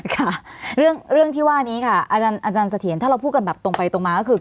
ค่ะเรื่องที่ว่านี้ค่ะอาจารย์เสถียรถ้าเราพูดกันแบบตรงไปตรงมาก็คือ